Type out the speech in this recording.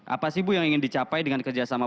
apa sih bu yang ingin dicapai dengan kerja sama